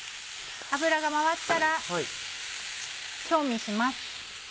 油が回ったら調味します。